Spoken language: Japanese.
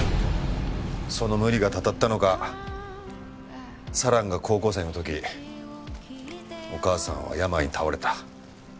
その無理がたたったのか四朗が高校生の時お母さんは病に倒れた。